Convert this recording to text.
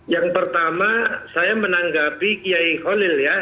yang pertama saya menanggapi kiai kholil ya